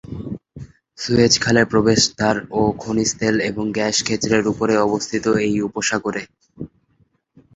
Suez খালে প্রবেশদ্বার ও খনিজ তেল এবং গ্যাস ক্ষেত্রের উপরে অবস্থিত এই উপসাগরে।